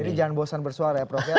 jadi jangan bosan bersuara ya prof ya